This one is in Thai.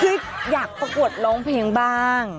คืออยากประกวดร้องเพลงบ้าง